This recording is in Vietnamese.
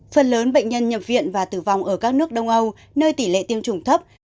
phần lớn bệnh nhân nhập viện và tử vong ở các nước đông âu nơi tỷ lệ tiêm chủng thấp